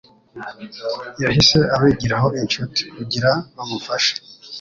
yahise abigiraho inshuti kugirabamufashe